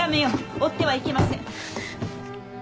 追ってはいけません！